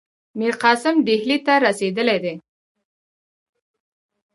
میرقاسم ډهلي ته رسېدلی دی.